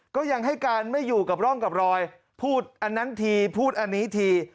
ก็ยังให้การไม่อยู่กับร่องกับรอยพูดอันนั้นทีพูดอันนี้ที